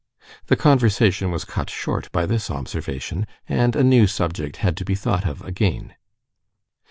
The conversation was cut short by this observation, and a new subject had to be thought of again.